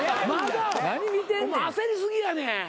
お前焦り過ぎやねん。